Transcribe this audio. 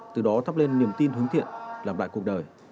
từ đó thắp lên niềm tin hướng thiện làm lại cuộc đời